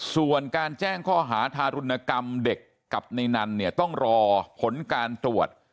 ส่วนการแจ้งข้อหาทารุณกรรมเด็กกับในนั้นเนี่ยต้องรอผลการตรวจ